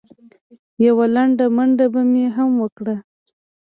یوه لنډه منډه به مې هم وکړه.